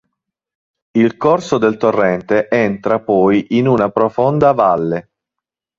Il corso del torrente entra poi in una profonda valle.